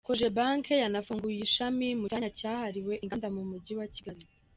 Cogebanque yanafunguye ishami mu cyanya cyahariwe inganda mu Mujyi wa Kigali.